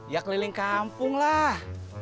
ya keliling kampung lah